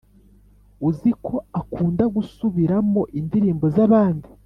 uziko akunda gusubiramo indirimbo zabandi